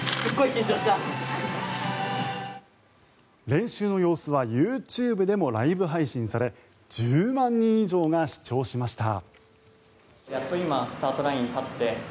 練習の様子はＹｏｕＴｕｂｅでもライブ配信され１０万人以上が視聴しました。